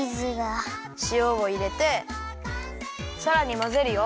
しおをいれてさらにまぜるよ。